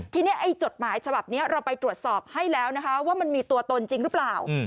ทีนี้ไอ้จดหมายฉบับนี้เราไปตรวจสอบให้แล้วนะคะว่ามันมีตัวตนจริงหรือเปล่า